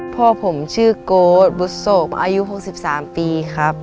พ่อผมชื่อโก๊ดบุษบอายุ๖๓ปีครับ